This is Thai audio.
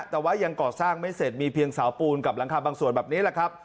แต่ว่ายังก่อสร้างไม่เสร็จมีเพียงเสาปูนกับหลังคาบางส่วนแบบนี้แหละครับ